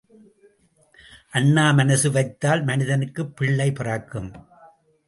அண்ணா மனசு வைத்தால் மதனிக்குப் பிள்ளை பிறக்கும்.